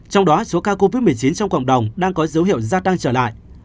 trong đó số ca covid một mươi chín trong cộng đồng đang có dấu hiệu gia tăng trở lại